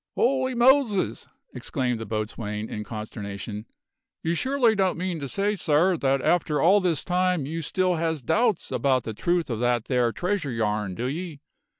"Holy Moses!" exclaimed the boatswain, in consternation, "you surely don't mean to say, sir, that after all this time you still has doubts about the truth of that there treasure yarn, do ye?